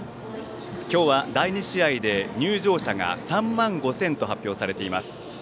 今日は第２試合で、入場者が３万５０００と発表されています。